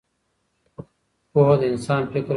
پوهه د انسان فکر پراخوي.